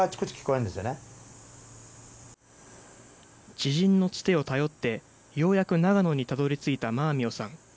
知人のつてを頼ってようやく長野にたどりついたマーミヨさん。